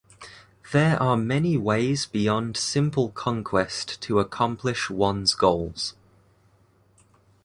There are many ways beyond simple conquest to accomplish one's goals.